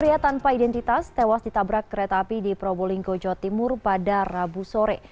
pria tanpa identitas tewas ditabrak kereta api di probolinggo jawa timur pada rabu sore